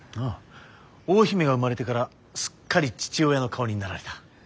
ああ大姫が生まれてからすっかり父親の顔になられた。